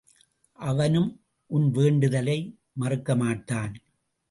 அவனும் உன் வேண்டுதலை மறுக்கமாட்டான்.